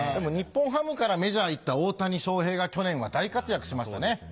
日本ハムからメジャーへ行った大谷翔平が去年は大活躍しましたね。